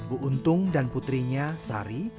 bu untung dan putrinya sari